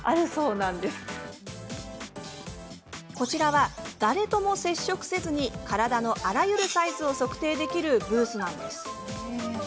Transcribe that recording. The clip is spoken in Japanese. こちらは、誰とも接触せずに体のあらゆるサイズを測定できるブースなんです。